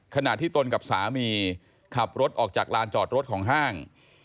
ขณะที่ตนกับสามีขับรถออกจากลานจอดรถของห้าง